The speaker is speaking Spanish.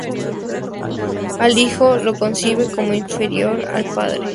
Al Hijo lo concibe como inferior al Padre.